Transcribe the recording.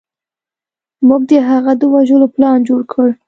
موږ د هغه د وژلو پلان جوړ کړ.